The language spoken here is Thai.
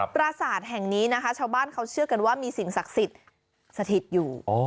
ประสาทแห่งนี้ชาวบ้านเขาเชื่อกันว่ามีสิ่งศักดิ์สถิตย์อยู่